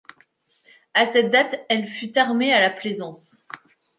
À cette date elle fut armée à la plaisance.